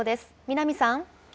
南さん。